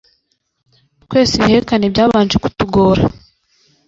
twese ibihekane byabanjye kutugora